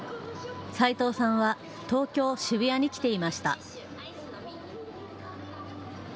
齊藤さんは東京・渋谷に来ていました。